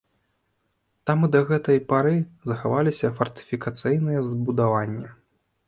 Там і да гэтай пары захаваліся фартыфікацыйныя збудаванні.